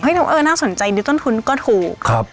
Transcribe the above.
เฮ้ยน้องเออน่าสนใจด้วยต้นทุนก็ถูกครับ